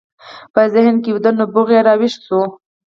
په ذهن کې ویده نبوغ یې راویښ شو